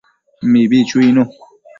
Mibi chuinu